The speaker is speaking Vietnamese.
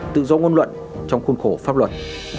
tự do ngôn luận trong khuôn khổ pháp luật